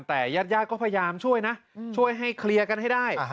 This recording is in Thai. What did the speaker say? แต่ญาติก็พยายามช่วยนะช่วยให้เคลียร์กันให้ได้